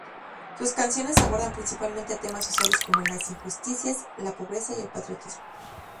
Sus canciones abordan principalmente temas sociales como las injusticias, la pobreza y el patriotismo.